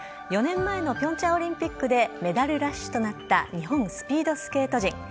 ４年前のピョンチャンオリンピックでメダルラッシュとなった日本スピードスケート陣。